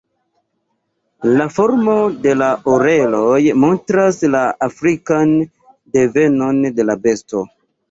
La formo de la oreloj montras la afrikan devenon de la besto.